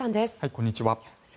こんにちは。